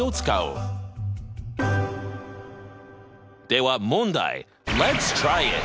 では問題！